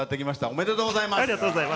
ありがとうございます。